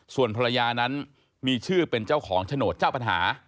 ส่วนภรรยานั้นมีชื่อเป็นเจ้าของโฉนดเจ้าปัญหา